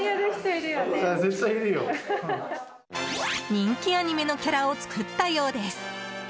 人気アニメのキャラを作ったようです。